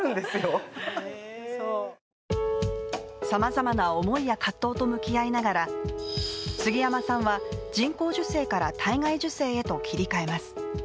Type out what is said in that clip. さまざまな思いや葛藤と向き合いながら杉山さんは人工授精から体外受精へと切り替えます。